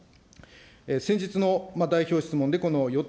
先日の代表質問で与党